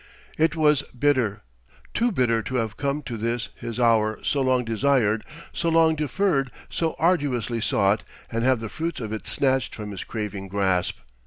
It was bitter, too bitter to have come to this his hour so long desired, so long deferred, so arduously sought, and have the fruits of it snatched from his craving grasp.